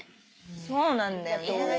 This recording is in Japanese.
そうなんだよね。